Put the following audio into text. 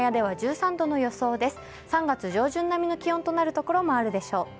３月上旬並みの気温となるところもあるでしょう。